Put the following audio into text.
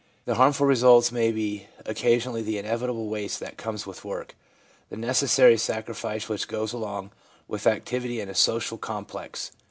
The harmful results may be occa sionally the inevitable waste that comes with work, the necessary sacrifice which goes along with activity in a social complex.